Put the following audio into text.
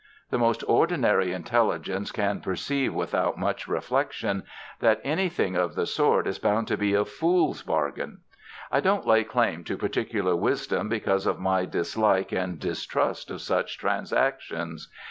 The most ordinary intelligence can perceive without much reflection that anything of the sort is bound to be a fool's bargain. I don't lay claim to particular wisdom because of my dislike and distrust of such transactions.